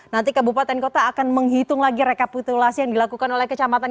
nanti kabupaten kota akan menghitung lagi rekapitulasi yang dilakukan oleh kecamatan